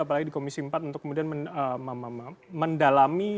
apalagi di komisi empat untuk kemudian mendalami